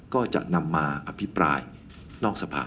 ก็จะนำมาอภิปรายนอกสภา